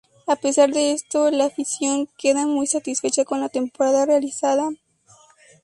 A pesar de esto, la afición queda muy satisfecha con la temporada realizada.